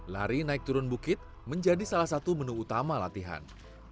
lari naik turun bukit menjadi salah satu menu utama latihan